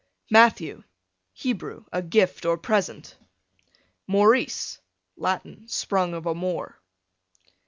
Matthew, Hebrew, a gift or present. Maurice, Latin, sprung of a Moor.